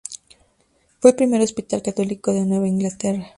Fue el primer hospital católico de Nueva Inglaterra.